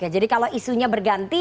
jadi kalau isunya berganti